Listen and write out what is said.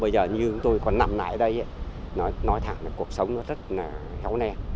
chúng tôi còn nằm lại ở đây nói thẳng là cuộc sống nó rất là khéo nè